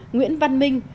ba nguyễn văn minh